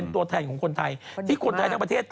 ตัวแทนคนไทยทางประเทศ